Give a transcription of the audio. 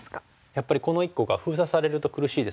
やっぱりこの１個が封鎖されると苦しいですからね。